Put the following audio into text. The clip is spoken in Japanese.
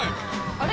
あれ？